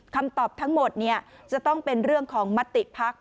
คำตอบทั้งหมดจะต้องเป็นเรื่องของมติภักดิ์